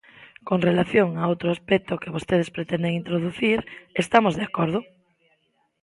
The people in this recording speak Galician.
Con relación a outro aspecto que vostedes pretenden introducir, estamos de acordo.